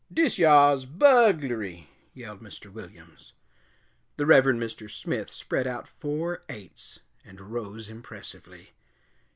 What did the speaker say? "Dis yar's buglry!" yelled Mr. Williams. The Reverend Mr. Smith spread out four eights and rose impressively.